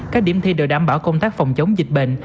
các điểm thi đều đảm bảo công tác phòng chống dịch bệnh